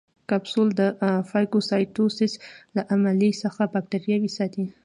کپسول د فاګوسایټوسس له عملیې څخه باکتریاوې ساتي.